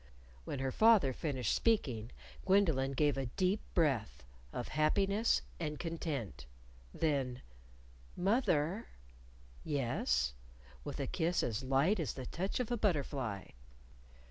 When her father finished speaking, Gwendolyn gave a deep breath of happiness and content. Then, "Moth er!" "Yes?" with a kiss as light as the touch of a butterfly.